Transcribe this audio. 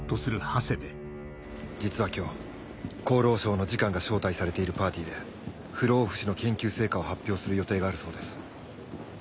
実は今日厚労省の次官が招待されているパーティーで不老不死の研究成果を発表する予定があるそうです。